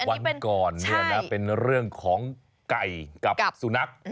วันก่อนเป็นเรื่องของไก่กับสุนัข